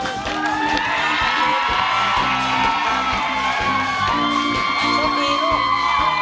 ช่วงดีลูก